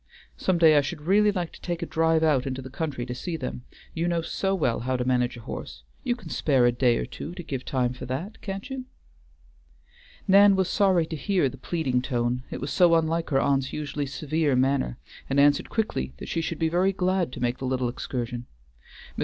Some day I should really like to take a drive out into the country to see them, you know so well how to manage a horse. You can spare a day or two to give time for that, can't you?" Nan was sorry to hear the pleading tone, it was so unlike her aunt's usually severe manner, and answered quickly that she should be very glad to make the little excursion. Mr.